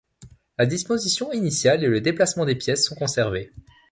La disposition initiale et le déplacement des pièces sont conservés.